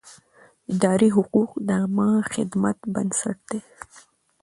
اداري حقوق د عامه خدمت بنسټ دی.